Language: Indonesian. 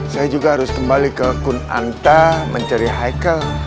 saya juga harus kembali ke kunanta mencari haikal